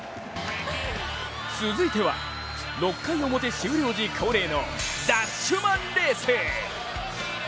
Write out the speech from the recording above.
続いては６回表終了時恒例のダッシュマンレース。